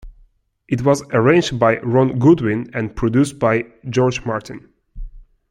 It was arranged by Ron Goodwin and produced by George Martin.